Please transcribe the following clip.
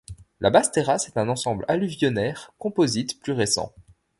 La basse terrasse est un ensemble alluvionnaire composite plus récent.